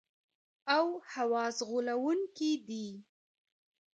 او حواس غولونکي دي.